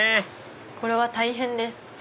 これは大変です！